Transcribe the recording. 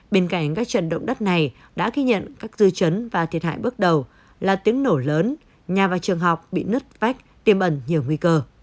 bên cạnh các trận động đất này đã ghi nhận các dư chấn và thiệt hại bước đầu là tiếng nổ lớn nhà và trường học bị nứt vách tiêm ẩn nhiều nguy cơ